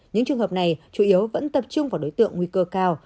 những trường hợp này chủ yếu vẫn tập trung vào đối tượng nguy cơ cao